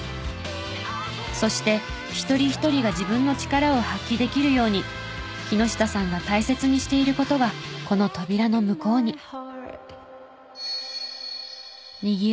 そして一人一人が自分の力を発揮できるように木下さんが大切にしている事がこの扉の向こうに。